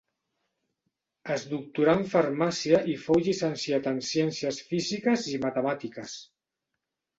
Es doctorà en farmàcia i fou llicenciat en ciències físiques i matemàtiques.